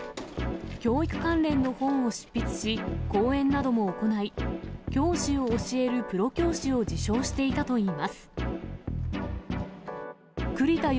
教育関連の本を執筆し、講演なども行い、教師を教えるプロ教師を自称していたといいます。